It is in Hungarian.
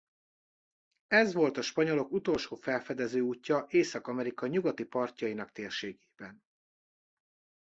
Ez volt a spanyolok utolsó felfedezőútja Észak-Amerika nyugati partjainak térségében.